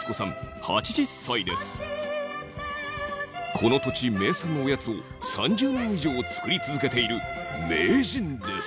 この土地名産のおやつを３０年以上作り続けている名人です。